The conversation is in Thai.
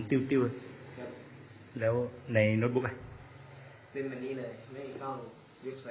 ติ้วติ้วครับแล้วในโน้ตบุ๊คเป็นแบบนี้เลยไม่เข้าเว็บไซต์